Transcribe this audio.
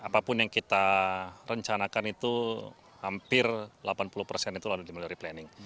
apapun yang kita rencanakan itu hampir delapan puluh persen itu lalu dimulai dari planning